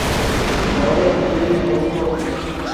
La obra concluye con un coro final.